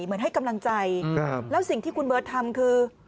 เหมือนให้กำลังใจแล้วสิ่งที่คุณเบิร์ตทำคือ